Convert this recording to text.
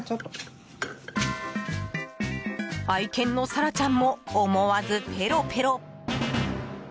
愛犬のサラちゃんも思わずペロペロ。